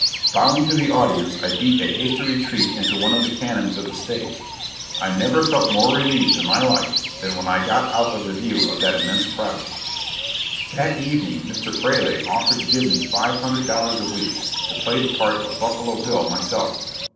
Bowing to the audience, I beat a hasty retreat into one of the cañons of the stage. I never felt more relieved in my life than when I got out of the view of that immense crowd. That evening Mr. Freleigh offered to give me five hundred dollars a week to play the part of "Buffalo Bill" myself.